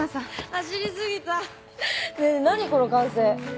走り過ぎたねぇ何この歓声。